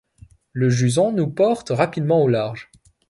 Le jusant nous porte rapidement au large.